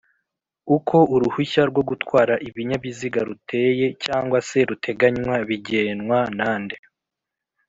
uko Uruhushya rwo gutwara Ibinyabiziga ruteye cg se ruteganywa bigenwa nande